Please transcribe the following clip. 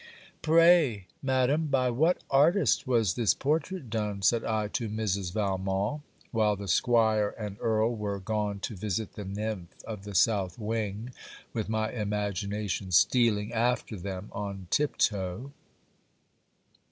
'Pray, Madam, by what artist was this portrait done?' said I, to Mrs. Valmont, while the 'Squire and Earl were gone to visit the nymph of the south wing, with my imagination stealing after them on tiptoe.